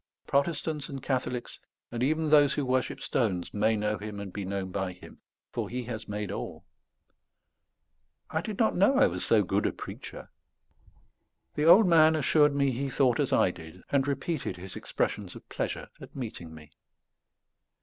Protestants and Catholics, and even those who worship stones, may know Him and be known by Him; for He has made all." I did not know I was so good a preacher. The old man assured me he thought as I did, and repeated his expressions of pleasure at meeting me.